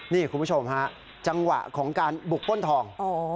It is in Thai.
นี่คุณผู้ชมฮะจังหวะของการบุกป้นทอง